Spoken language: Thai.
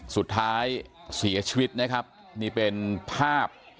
สุดท้ายเสียชีวิตนะครับนี่เป็นภาพ